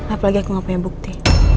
apalagi aku nggak punya bukti